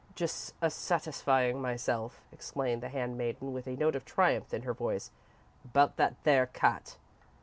"Just a satisfyin' myself," explained the handmaiden, with a note of triumph in her voice, "about that there cat.